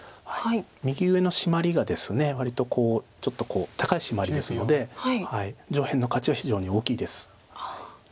右上のシマリがですね割とこうちょっと高いシマリですので上辺の価値は非常に大きいです。